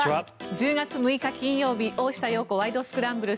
１０月６日、金曜日「大下容子ワイド！スクランブル」。